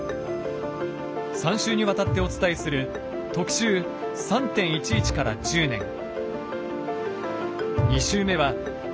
３週にわたってお伝えする特集「３．１１から１０年」。